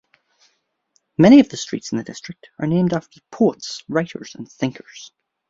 Many of the streets in the district are named after poets, writers and thinkers.